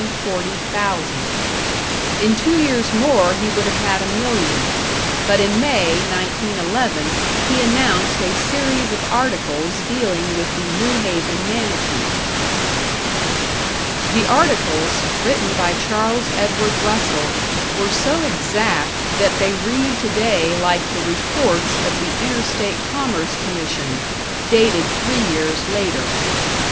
In two years more he would have had a million; but in May, 1911, he announced a series of articles dealing with the New Haven management. The articles, written by Charles Edward Russell, were so exact that they read today like the reports of the Interstate Commerce Commission, dated three years later.